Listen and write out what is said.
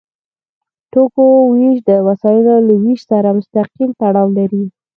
د توکو ویش د وسایلو له ویش سره مستقیم تړاو لري.